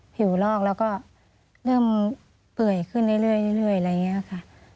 ผิวลอกแล้วก็เริ่มเปื่อยขึ้นเรื่อยอะไรอย่างนี้ค่ะ